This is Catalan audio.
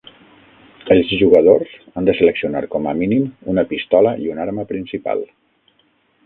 Els jugadors han de seleccionar com a mínim una pistola i una arma principal.